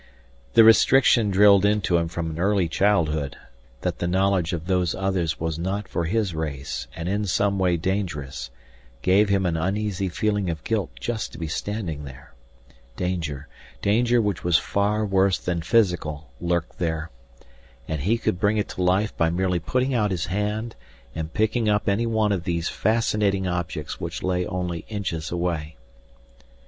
The restriction drilled into him from early childhood, that the knowledge of Those Others was not for his race and in some way dangerous, gave him an uneasy feeling of guilt just to be standing there. Danger, danger which was far worse than physical, lurked there. And he could bring it to life by merely putting out his hand and picking up any one of those fascinating objects which lay only inches away.